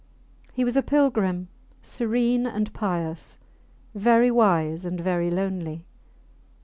He was a pilgrim serene and pious, very wise and very lonely.